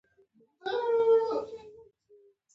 هرات د افغانستان د ځانګړي جغرافیه استازیتوب کوي.